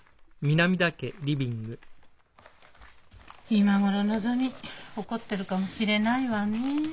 今頃のぞみ怒ってるかもしれないわねえ。